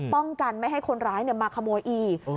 ป้องกันไม่ให้คนร้ายมาขโมยอีก